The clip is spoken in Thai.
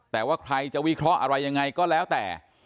แต่ว่าใครจะวิเคราะห์อะไรยังไงก็แล้วแต่